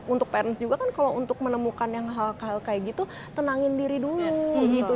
untuk partness juga kan kalau untuk menemukan yang hal hal kayak gitu tenangin diri dulu